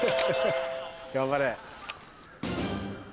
頑張れ！